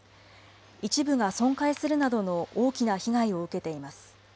一部が損壊するなどの大きな被害を受けています。